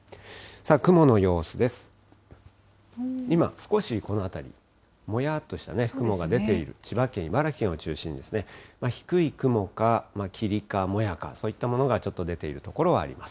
今、少しこの辺り、もやっとした雲が出ている、千葉県、茨城県を中心にですね、低い雲か霧かもやか、そういったものがちょっと出ている所はあります。